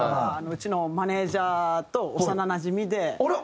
うちのマネジャーと幼なじみで。